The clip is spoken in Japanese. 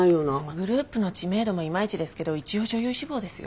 グループの知名度もいまいちですけど一応女優志望ですよ。